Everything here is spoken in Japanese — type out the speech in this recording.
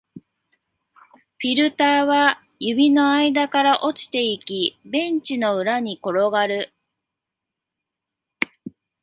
フィルターは指の間から落ちていき、ベンチの裏に転がる